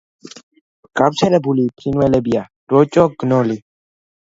გავრცელებული ფრინველებია: როჭო, გნოლი.